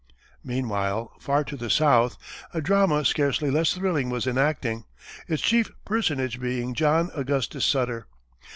Meanwhile, far to the south, a drama scarcely less thrilling was enacting, its chief personage being John Augustus Sutter.